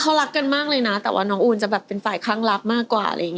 เขารักกันมากเลยนะแต่ว่าน้องอูนจะเป็นฝ่ายข้างรักมากกว่า